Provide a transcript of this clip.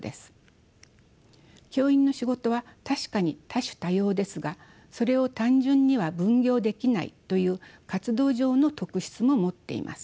教員の仕事は確かに多種多様ですがそれを単純には分業できないという活動上の特質も持っています。